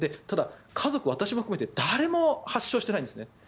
ただ、家族私も含めて誰も発症してないんですね。